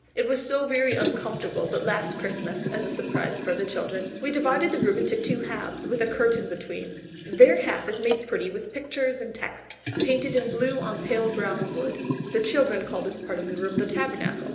It was so very uncomfortable that last Christmas, as a surprise for the children, we divided the room into two halves with a curtain between. Their half is made pretty with pictures and texts, painted in blue on pale brown wood. The children call this part of the room the Tabernacle.